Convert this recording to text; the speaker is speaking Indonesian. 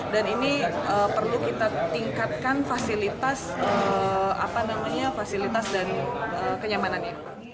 dan ini perlu kita tingkatkan fasilitas dan kenyamanannya